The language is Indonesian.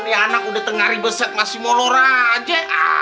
ini anak udah tengah ribeset masih mau lorak aja